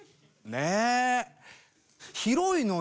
ねえ。